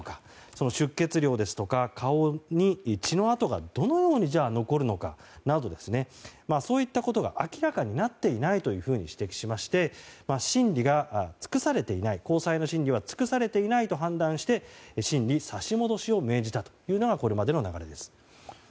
その出血量ですとか顔に血の痕がどのように残るのかなど、そういったことが明らかになっていないと指摘しまして審理が尽くされていない高裁の審理は尽くされていないと判断して審理差し戻しを命じたというのがこれまでの流れです。